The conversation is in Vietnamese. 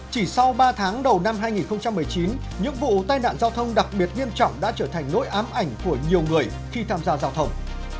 chỉ sau ba tháng đầu năm hai nghìn một mươi chín những vụ tai nạn giao thông đặc biệt nghiêm trọng đã trở thành nỗi ám ảnh của nhiều người khi tham gia giao thông